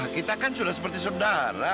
kita kan sudah seperti saudara